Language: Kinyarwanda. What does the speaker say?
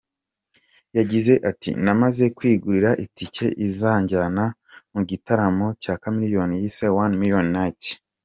Yagize ati, “Namaze kwigurira itike izanjyana mu gitaramo cya Chameleone yise One Million Night.